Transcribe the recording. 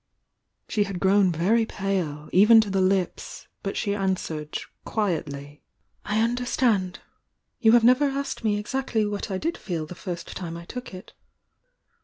She had grown very pale, even to the lips, — but she answered, quietly; "I understand! You have never asked me exactly what I did feel the first time I took it.